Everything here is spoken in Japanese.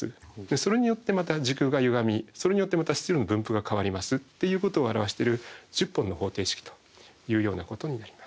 それによってまた時空がゆがみそれによってまた質量の分布が変わりますっていうことを表している１０本の方程式というようなことになります。